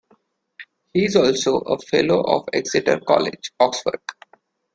He is also a fellow of Exeter College, Oxford.